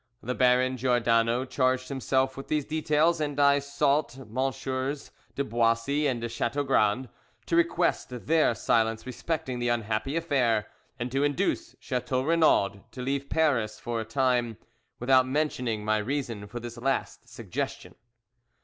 The Baron Giordano charged himself with these details, and I sought MM. de Boissy and de Chateaugrand, to request their silence respecting the unhappy affair, and to induce Chateau Renaud to leave Paris for a time, without mentioning my reason for this last suggestion.